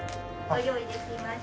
ご用意できました。